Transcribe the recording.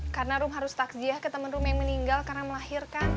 karena rum harus takziah ke temen rum yang meninggal karena melahirkan